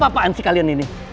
apaan sih kalian ini